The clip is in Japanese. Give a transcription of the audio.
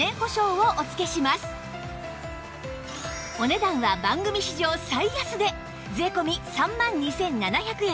お値段は番組史上最安値税込３万２７００円